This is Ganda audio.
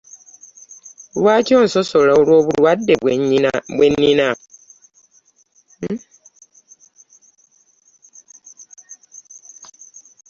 Lwaki onsosola lwa bulwadde bwe nina?